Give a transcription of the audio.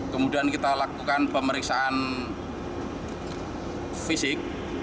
kemudian kita lakukan pemeriksaan fisik